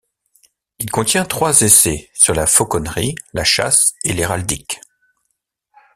Il contient trois essais, sur la fauconnerie, la chasse et l'héraldique.